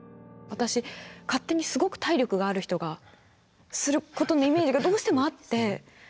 私勝手にすごく体力がある人がすることのイメージがどうしてもあって。